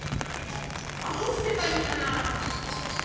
どうすればいいかな？